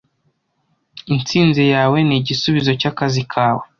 Intsinzi yawe nigisubizo cyakazi kawe.